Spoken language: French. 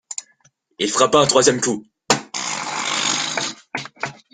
Il frappa un troisième coup.